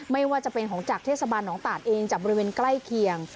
ไม่ว่าจะเป็นของจากเทศบาลหนองตาดเองจากบริเวณใกล้เคียง